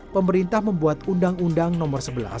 pemerintah membuat undang undang nomor sebelas